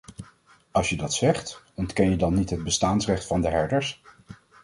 Als je dat zegt, ontken je dan niet het bestaansrecht van de herders?